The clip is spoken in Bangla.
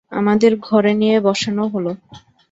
আমাদের ঘরে নিয়ে বসানো হল।